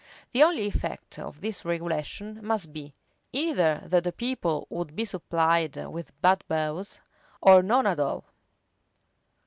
The only effect of this regulation must be, either that the people would be supplied with bad bows, or none at all.